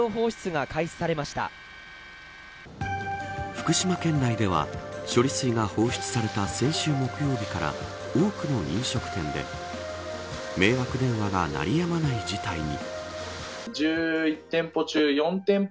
福島県内では処理水が放出された先週木曜日から、多くの飲食店で迷惑電話が鳴りやまない事態に。